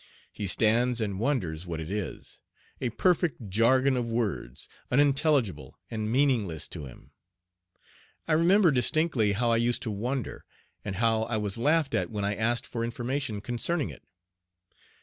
He stands and wonders what it is. A perfect jargon of words, unintelligible and meaningless to him! I remember distinctly how I used to wonder, and how I was laughed at when I asked for information concerning it.